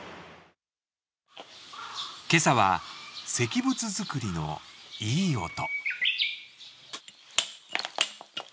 今朝は石仏作りのいい音。